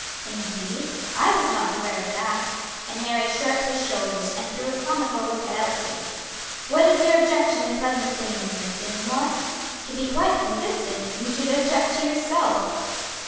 "Indeed! I was not aware of that." And Harry shrugged his shoulders, and threw a comical look at Elsie. "What is your objection to pleasant things, Miss Dinsmore? To be quite consistent you should object to yourself."